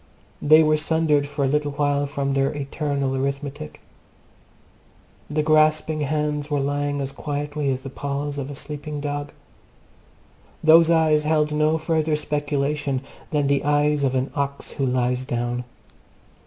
They were sundered for a little while from their eternal arithmetic. The grasping hands were lying as quietly as the paws of a sleeping dog. Those eyes held no further speculation than the eyes of an ox who lies down.